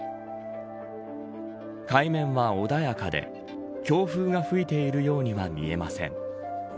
海面は穏やかで強風が吹いているようには見えません。